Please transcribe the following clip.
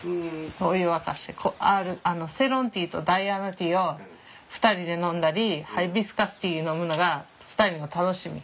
お湯沸かしてセイロンティーとダイアナティーを２人で飲んだりハイビスカスティー飲むのが２人の楽しみ。